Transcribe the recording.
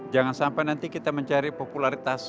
jangan sampai nanti kita mencari popularitas